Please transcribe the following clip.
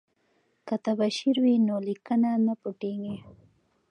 که تباشیر وي نو لیکنه نه پټیږي.